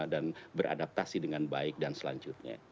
dan beradaptasi dengan baik dan selanjutnya